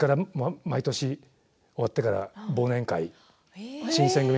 毎年終わってから、忘年会、「新選組！」